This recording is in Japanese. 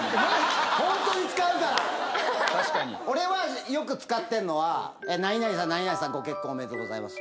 俺はよく使ってんのは「何々さん何々さんご結婚おめでとうございます」